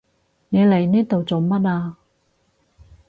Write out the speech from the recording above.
你嚟呢度做乜啊？